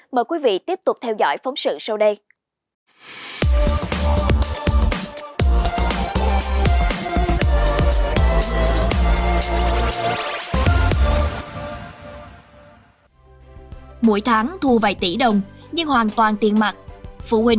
mời quý vị tiếp tục theo dõi phóng sự sau đây